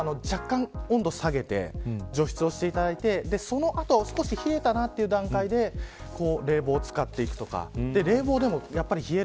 除湿でも若干温度を下げて除湿をしていただいてその後、少し冷えたなという段階で冷房を使っていくとか。